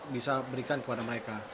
bisa berikan kepada mereka